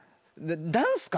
ダンスか？